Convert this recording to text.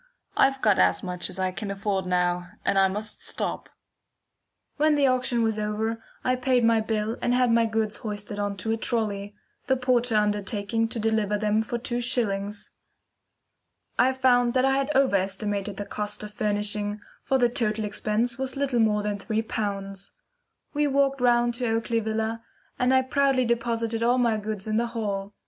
"I've got as much as I can afford now, and I must stop." When the auction was over, I paid my bill and had my goods hoisted on to a trolly, the porter undertaking to deliver them for two shillings. I found that I had over estimated the cost of furnishing, for the total expense was little more than three pounds. We walked round to Oakley Villa, and I proudly deposited all my goods in the hall.